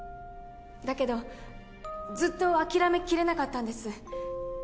だけどずっと諦めきれなかったんです。